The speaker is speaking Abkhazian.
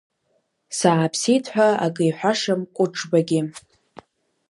Сааԥсеит ҳәа акы иҳәашам Кәыҿбагьы.